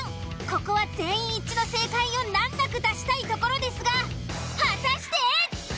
ここは全員一致の正解を難なく出したいところですが果たして？